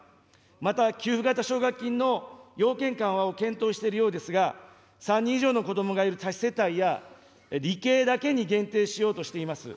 また、給付型奨学金の要件緩和を検討しているようですが、３人以上の子どもがいる多子世帯や、理系だけに限定しようとしています。